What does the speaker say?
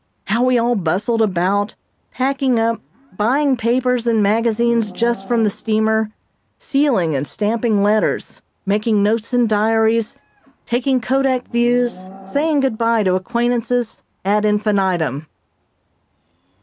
How we all bustled about, packing up, buying papers and magazines just from the steamer, sealing and stamping letters, making notes in diaries, taking kodak views, saying good bye to acquaintances, ad infinitum.